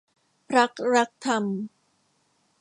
พรรครักษ์ธรรม